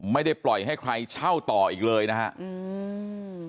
ไม่ได้ปล่อยให้ใครเช่าต่ออีกเลยนะฮะอืม